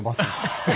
ハハハハ。